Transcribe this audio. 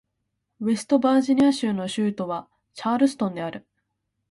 ウェストバージニア州の州都はチャールストンである